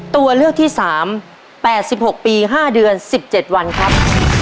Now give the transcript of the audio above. ตัวเลือกที่สามแปดสิบหกปีห้าเดือนสิบเจ็ดวันครับ